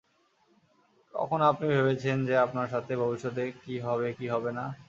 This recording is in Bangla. কখনো আপনি ভেবেছেন যে আপনার সাথে ভবিষ্যতে কী হবে কী হবে না?